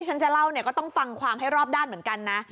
ฉันจะเล่าเนี่ยก็ต้องฟังความให้รอบด้านเหมือนกันนะ